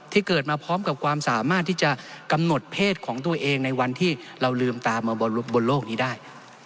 เกิดมาพร้อมกับความสามารถที่จะกำหนดเพศของตัวเองในวันที่เราลืมตามาบนโลกนี้ได้